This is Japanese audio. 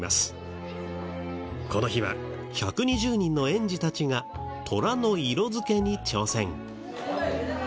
この日は１２０人の園児たちが虎の色付けに挑戦。